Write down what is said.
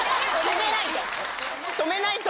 止めないと。